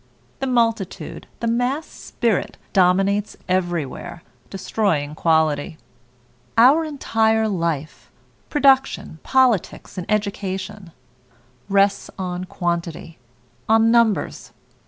The multitude, the mass spirit, dominates everywhere, destroying quality. Our entire life production, politics, and education rests on quantity, on numbers.